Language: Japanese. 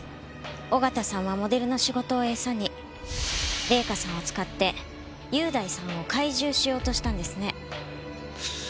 小形さんはモデルの仕事を餌に礼香さんを使って優大さんを懐柔しようとしたんですね。